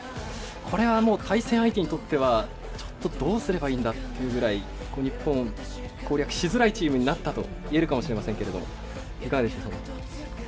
これは、対戦相手にとってはどうすればいいんだというぐらい日本、攻略しづらいチームになったといえると思いますがいかがでしょうか。